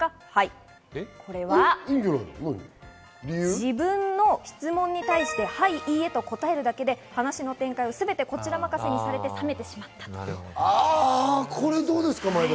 自分の質問に対して「はい」、「いいえ」と答えるだけで話の展開をすべてこちら任せにされて冷めてしまったということです。